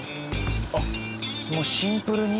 もうシンプルに？